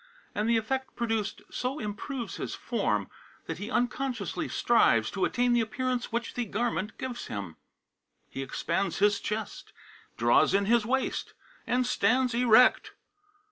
And the effect produced so improves his form that he unconsciously strives to attain the appearance which the garment gives him; he expands his chest, draws in his waist, and stands erect."